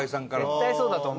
絶対そうだと思う。